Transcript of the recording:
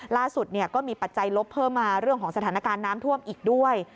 ล่าสุดก็มีปัจจัยลบเพิ่มมาเรื่องของสถานการณ์น้ำท่วมอีกด้วย